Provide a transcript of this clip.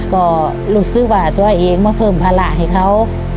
ก็รู้สึกว่าตัวเองมาเพิ่มภาระให้เขา